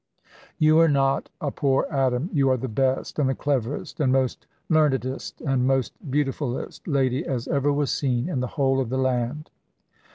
"You are not a poor atom; you are the best, and the cleverest, and most learnedest, and most beautifullest lady as ever was seen in the whole of the land."